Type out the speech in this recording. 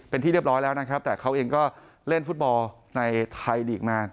เป็นที่เรียบร้อยแล้วนะครับแต่เขาเองก็เล่นฟุตบอลในไทยลีกมา